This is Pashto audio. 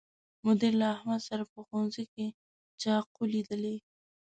مدیر له احمد سره په ښوونځي کې چاقو لیدلی